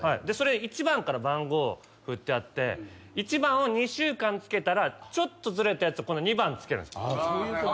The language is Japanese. でそれ１番から番号振ってあって１番を２週間つけたらちょっとずれたやつを今度２番つけるんです。